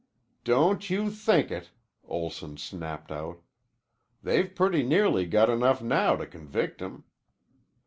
"Don't you think it," Olson snapped out. "They've pretty nearly got enough now to convict him."